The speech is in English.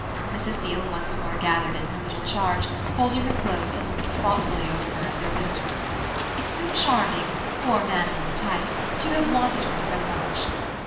Mrs. Beale once more gathered in her little charge, holding her close and looking thoughtfully over her head at their visitor. "It's so charming for a man of your type to have wanted her so much!"